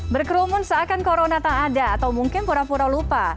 berkerumun seakan corona tak ada atau mungkin pura pura lupa